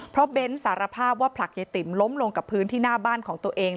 เพราะเบ้นสารภาพว่าผลักยายติ๋มล้มลงกับพื้นที่หน้าบ้านของตัวเอง